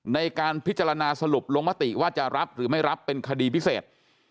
ในการพิจารณาสรุปลงมติว่าจะรับหรือไม่รับเป็นคดีพิเศษ